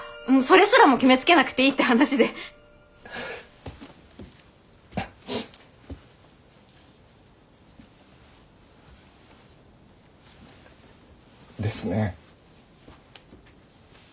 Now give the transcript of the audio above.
もうそれすらも決めつけなくていいって話で。ですね。